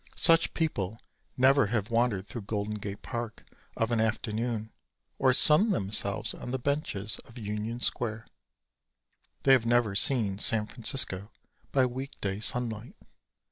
Such people never have wandered through Golden Gate Park of an afternoon or sunned themselves on the benches of Union Square. They have never seen San Francisco by week day sunlight.